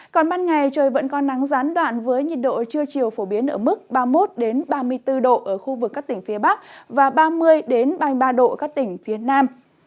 còn ban ngày trời vẫn còn nắng gián đoạn với nhiệt độ trưa chiều phổ biến ở mức ba mươi một ba mươi bốn độ ở khu vực các tỉnh phía bắc và ba mươi ba mươi ba độ các tỉnh phía nam